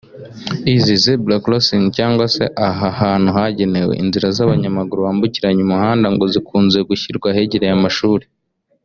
Izi “zebra crossing” cyangwa se aha hantu hagenewe inzira z’abanyamaguru bambukiranya umuhanda ngo zikunze gushyirwa ahegereye amashuri